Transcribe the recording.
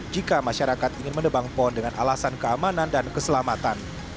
jika masyarakat ingin menebang pohon dengan alasan keamanan dan keselamatan